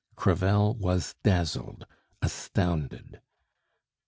Crevel was dazzled, astounded.